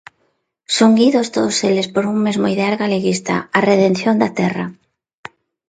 Xunguidos todos eles por un mesmo ideal galeguista: a redención da Terra.